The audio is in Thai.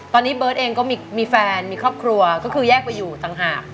ตอนนี้เบิร์ตเองก็มีแฟนมีครอบครัวก็คือแยกไปอยู่ต่างหาก